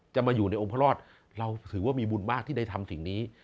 จะมาอยู่ในองค์พระรอดเราถือว่ามีบุญมากที่ได้ทำสิ่งนี้